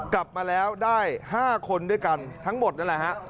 กลับมาแล้วได้๕คนด้วยกันทั้งหมดนั่นแหละฮะ